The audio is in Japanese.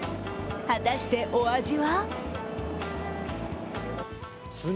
果たしてお味は？